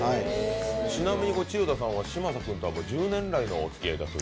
ちなみに千代田さんは嶋佐さんとは１０年来のおつきあいと。